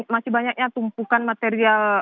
masih banyaknya tumpukan material